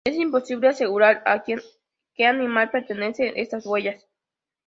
Es imposible asegurar a que animal pertenece estas huellas.